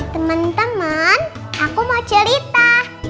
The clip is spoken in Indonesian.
teman teman aku mau cerita